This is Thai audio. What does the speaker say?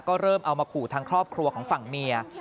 ก็เริ่มเอามาขู่ทางครอบครัวของฝั่งเมีย